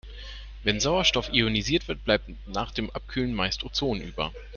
Wenn Sauerstoff ionisiert wird, bleibt nach dem Abkühlen meist Ozon über.